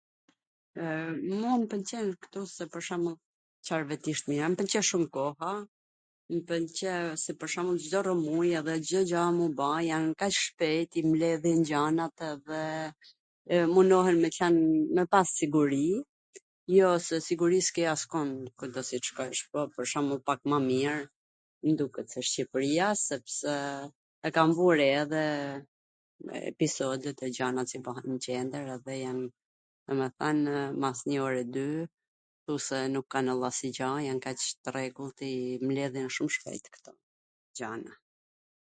Mu m pwlqen ktu se pwr shwmbull... Car vetish t mira... mw pwlqen mw shum koha, mw pwlqe se pwr shwmbull Cdo rrwmuj, Cdo gjw mund bahet, kaq shpejt i mledhin gjanat edhe munohen me qwn... me pas siguri, jo, se siguri s ke askund, kudo qw t shkojsh, pwr shembull, po pak ma mir, m duket se nga Shqipria sepse e kam vu re edhe episodet e gjanat, si bahet nw qendwr, edhe jam.... domethwnw pas njw ore dy thu se nuk ka ndodh asnjw gjw, jan aq tw rregullt qw t i mbledhin shum shpejt kto... gjana.